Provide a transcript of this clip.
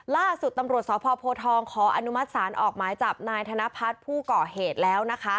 ล่าสุดตำรวจสพโพทองขออนุมัติศาลออกหมายจับนายธนพัฒน์ผู้ก่อเหตุแล้วนะคะ